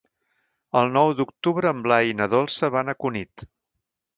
El nou d'octubre en Blai i na Dolça van a Cunit.